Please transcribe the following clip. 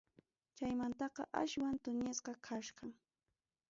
Chaymantaqa aswan tuñisqa kachkan.